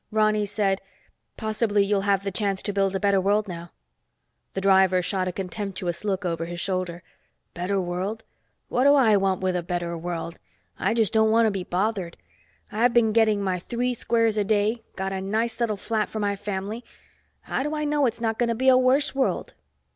Ronny said, "Possibly you'll have the chance to build a better world, now." The driver shot a contemptuous look over his shoulder. "Better world? What do I want with a better world? I just don't want to be bothered. I've been getting my three squares a day, got a nice little flat for my family. How do I know it's not going to be a worse world?"